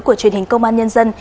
của truyền hình công an nhân dân